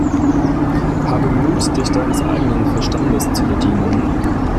Habe Mut, dich deines eigenen Verstandes zu bedienen!